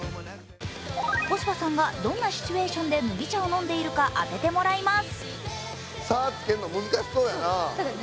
小芝さんがどんなシチュエーションで麦茶を飲んでいるか当ててもらいます。